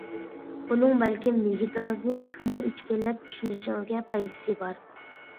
بۇنىڭ بەلكىم يىگىتىڭىزنى تېخىمۇ ئىچكىرىلەپ چۈشىنىشىڭىزگە پايدىسى بار.